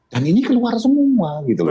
dan ini keluar semua gitu loh